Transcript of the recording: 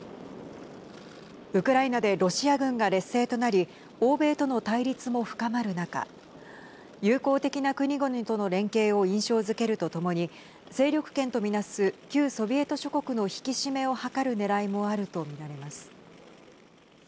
ウクライナでロシア軍が劣勢となり欧米との対立も深まる中友好的な国々との連携を印象づけるとともに勢力圏と見なす旧ソビエト諸国の引き締めを図るねらいもあると見られます。